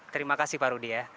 terima kasih pak rudy ya